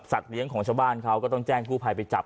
สัตว์เลี้ยงของชะบ้านเขาก็ต้องแจ้งคู่ภัยไปจับ